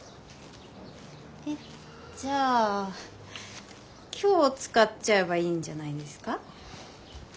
えっじゃあ今日使っちゃえばいいんじゃないですか？